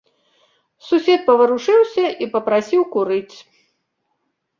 Сусед паварушыўся і папрасіў курыць.